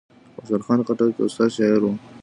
خوشحال خان خټک یو ستر شاعر و.